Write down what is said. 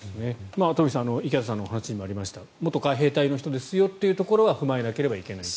東輝さん池畑さんの話にもありました元海兵隊の人ですよということは踏まえないといけない。